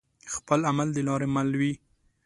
خپل عمل دلاري مل وي